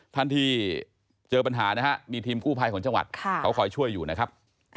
ท่านที่เจอปัญหานะครับมีทีมกู้ภัยของจังหวัดเขาคอยช่วยอยู่นะครับ